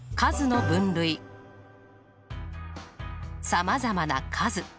さまざまな数。